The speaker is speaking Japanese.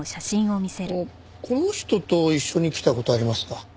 この人と一緒に来た事ありますか？